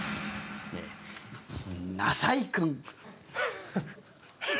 なさいくん。